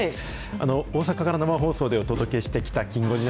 大阪から生放送でお届けしてきたきん５時。